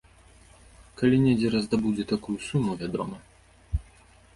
Калі недзе раздабудзе такую суму, вядома.